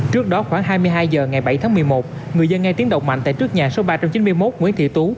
trước đó khoảng hai mươi hai h ngày bảy tháng một mươi một người dân nghe tiếng động mạnh tại trước nhà số ba trăm chín mươi một nguyễn thị tú